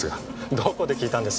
どこで聞いたんです？